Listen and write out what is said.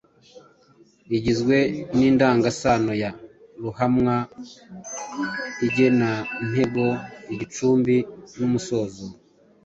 igizwe n’indangasano ya ruhamwa, igenantego, igicumbi n’umusozo.